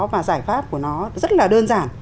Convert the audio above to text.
và giải pháp của nó rất là đơn giản